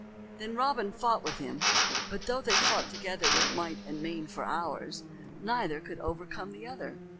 Then Robin fought with him; but, though they fought together with might and main for hours, neither could overcome the other.